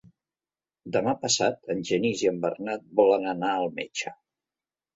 Demà passat en Genís i en Bernat volen anar al metge.